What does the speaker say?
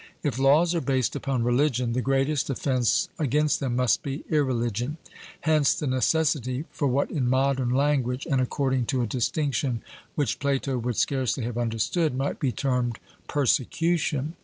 If laws are based upon religion, the greatest offence against them must be irreligion. Hence the necessity for what in modern language, and according to a distinction which Plato would scarcely have understood, might be termed persecution.